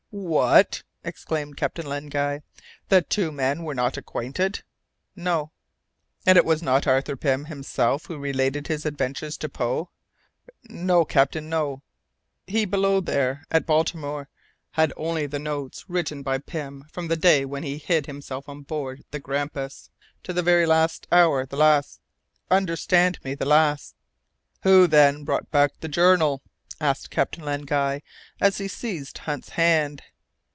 "What!" exclaimed Captain Len Guy; "the two men were not acquainted?" "No!" "And it was not Arthur Pym himself who related his adventures to Edgar Poe?" "No, captain, no! He, below there, at Baltimore, had only the notes written by Pym from the day when he hid himself on board the Grampus to the very last hour the last understand me the last." "Who, then, brought back that journal?" asked Captain Len Guy, as he seized Hunt's hand.